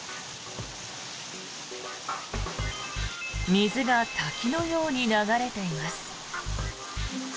水が滝のように流れています。